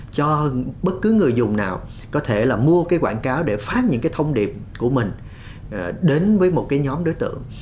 cho bất cứ người dùng nào có thể là mua cái quảng cáo để phát những cái thông điệp của mình đến với một cái nhóm đối tượng